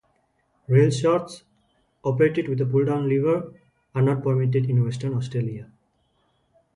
Reel-slots, operated with a pull-down lever, are not permitted in Western Australia.